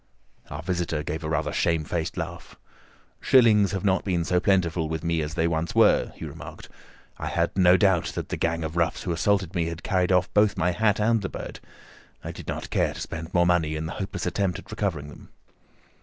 Our visitor gave a rather shamefaced laugh. "Shillings have not been so plentiful with me as they once were," he remarked. "I had no doubt that the gang of roughs who assaulted me had carried off both my hat and the bird. I did not care to spend more money in a hopeless attempt at recovering them."